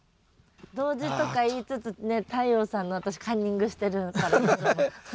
同時とか言いつつね太陽さんの私カンニングしてるからいつも。